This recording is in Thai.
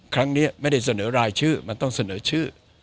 ครั้งนี้ไม่ได้เสนอรายชื่อมันต้องเสนอชื่อ